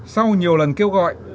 sau nhiều lần kêu gọi